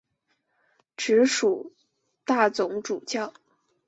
直属大总主教。